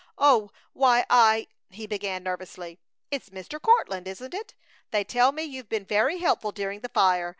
"Oh, why I," he began, nervously. "It's Mr. Courtland, isn't it? They tell me you've been very helpful during the fire!